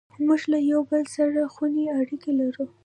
موږ له یو بل سره خوني اړیکې لرو.